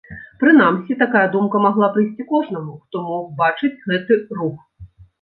Прынамсі, такая думка магла прыйсці кожнаму, хто мог бачыць гэты рух.